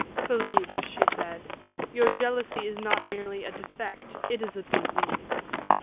"Philip," she said, "your jealousy is not merely a defect, it is a disease."